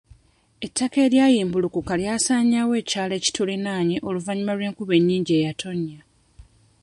Ettaka eryabumbulukuka lyasaanyaawo ekyalo ekituliraanye oluvannyuma lw'enkuba ennyingi eyatonnya.